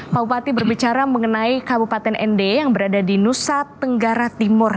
pak bupati berbicara mengenai kabupaten nd yang berada di nusa tenggara timur